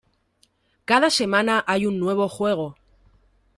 Cada semana hay un nuevo juego.